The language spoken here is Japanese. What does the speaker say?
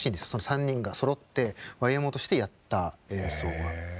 ３人がそろってＹＭＯとしてやった演奏は。へえ。